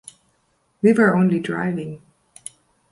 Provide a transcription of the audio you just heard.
We were only driving.